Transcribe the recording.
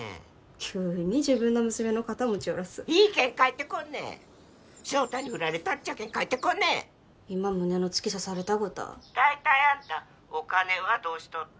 急に自分の娘の肩持ちよらすいいけん帰って来んね翔太にふられたっちゃけん帰って来んね今胸の突き刺されたごたあ☎大体あんたお金はどうしとっと？